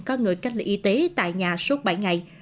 có người cách ly y tế tại nhà suốt bảy ngày